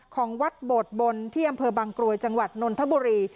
ของวัดโบดบนที่อำเภอบางกรวยจังหวัดนนทบุรี